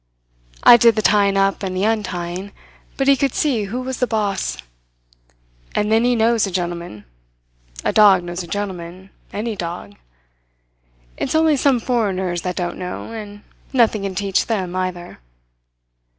I did the tying up and the untying, but he could see who was the boss. And then he knows a gentleman. A dog knows a gentleman any dog. It's only some foreigners that don't know; and nothing can teach them, either."